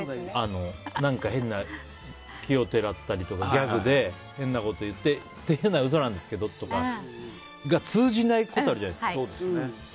何か変な奇をてらったりとかギャグで変なことを言ってそれは嘘なんですけどが通じない時あるじゃないですか。